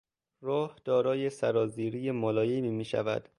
راه دارای سرازیری ملایمی میشود.